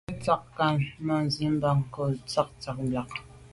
Me tshag nka’ ma’ nsi mban kum ba’ z’a ba tsha là.